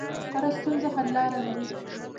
هره ستونزه حل لاره لري.